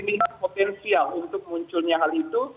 ini ada potensial untuk munculnya hal itu